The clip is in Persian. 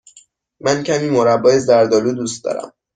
من کمی مربای زرد آلو دوست دارم.